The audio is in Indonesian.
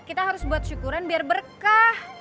kita harus buat syukuran biar berkah